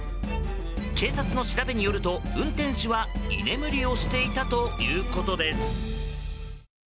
警察の調べによると運転手は居眠りをしていたということです。